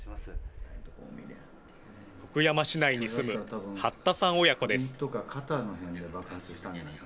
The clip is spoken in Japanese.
福山市内に住む八田さん親子です。